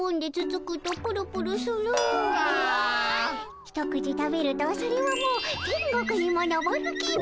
一口食べるとそれはもう天国にものぼる気分。